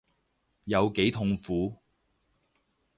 有幾痛苦